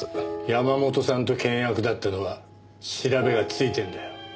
山本さんと険悪だったのは調べがついてんだよ。